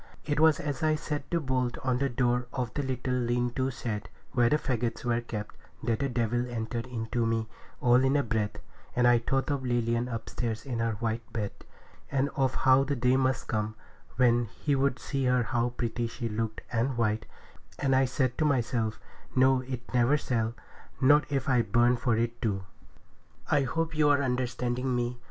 It was as I set the bolt on the door of the little lean to shed, where the faggots were kept, that the devil entered into me all in a breath; and I thought of Lilian upstairs in her white bed, and of how the day must come, when he would see how pretty she looked and white, and I said to myself, 'No, it never shall, not if I burn for it too.' I hope you are understanding me.